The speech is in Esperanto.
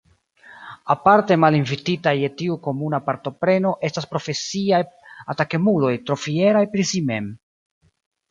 Aparte malinvititaj je tiu komuna partopreno estas profesiaj atakemuloj trofieraj pri si mem.